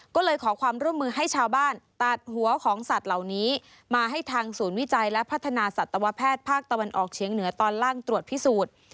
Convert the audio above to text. ก็เลยขอความร่วมมือให้ชาวบ้านตัดหัวของสัตว์เหล่านี้มาให้ทางศูนย์วิจัยและพัฒนาสัตวแพทย์ภาคตะวันออกเฉียงเหนือตอนล่างตรวจพิสูจน์